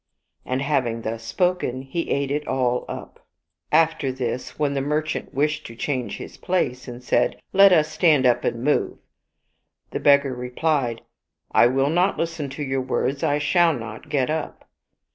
And having thus spoken, he ate it all up. After this, when the merchant wished to change his place, and said, " Let us stand up and move," the beggar replied, " I will not listen to your words ; I shall not get up."